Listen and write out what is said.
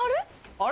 あれ？